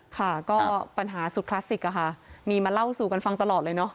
ค่ะก็ปัญหาสุดคลาสสิกอะค่ะมีมาเล่าสู่กันฟังตลอดเลยเนาะ